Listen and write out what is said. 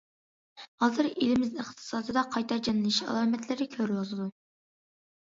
ھازىر ئېلىمىز ئىقتىسادىدا قايتا جانلىنىش ئالامەتلىرى كۆرۈلۈۋاتىدۇ.